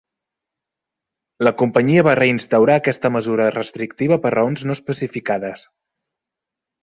La companyia va reinstaurar aquesta mesura restrictiva per raons no especificades.